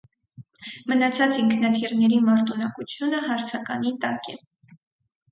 Մնացած ինքնաթիռների մարտունակությունը հարցականի տակ է։